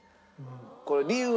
これ理由は？